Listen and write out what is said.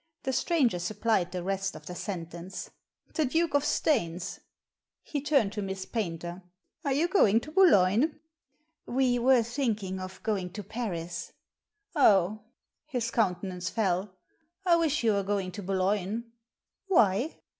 The stranger supplied the rest of the sentence. "The Duke of Staines." He turned to Miss Paynter. "Are you going to Boulogne?" " We were thinking of going to Paris." " Oh !" His countenance fell. " I wish you were going to Boulogne." "Why?"